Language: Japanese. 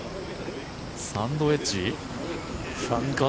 サンドウェッジ？